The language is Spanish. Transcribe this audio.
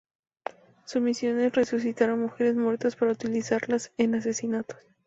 Su misión es resucitar a mujeres muertas para utilizarlas en asesinatos.